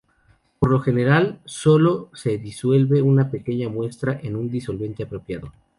Por lo general, sólo se disuelve una pequeña muestra en un disolvente apropiado.